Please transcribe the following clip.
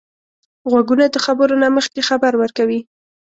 غوږونه د خبرو نه مخکې خبر ورکوي